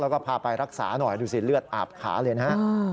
แล้วก็พาไปรักษาหน่อยดูสิเลือดอาบขาเลยนะฮะ